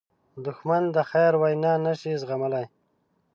دښمن د خیر وینا نه شي زغملی